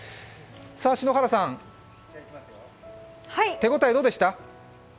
篠原さん、手応えどうでした？